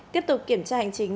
tiếp tục kiểm tra hành chính